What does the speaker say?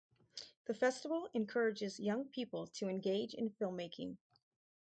The festival encourages young people to engage in filmmaking.